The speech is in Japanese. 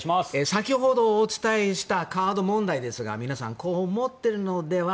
先ほどお伝えしたカード問題ですが皆さん、こう思ってるのでは？